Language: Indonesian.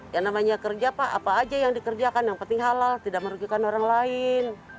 yang namanya kerja pak apa aja yang dikerjakan yang penting halal tidak merugikan orang lain